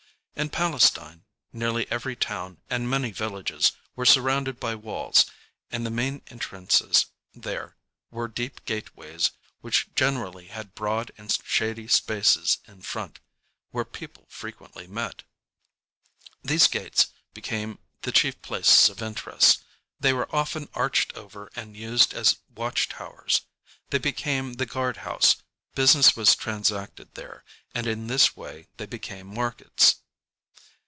"_ In Palestine, nearly every town, and many villages, were surrounded by walls, and at the main entrances there were deep gateways which generally had broad and shady spaces in front, where people frequently met. These gates became the chief places of interest. They were often arched over and used as watch towers; they became the guard house, business was transacted there, and in this way they became markets.